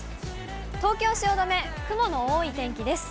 東京・汐留、雲の多い天気です。